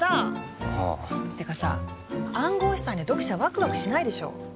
っていうかさ暗号資産じゃ読者ワクワクしないでしょ。